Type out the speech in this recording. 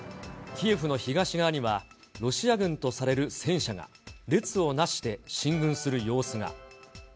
キエフの東側には、ロシア軍とされる戦車が列をなして進軍する様子が。